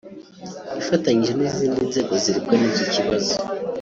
ifatanyije n’izindi nzego zirebwa n’iki kibazo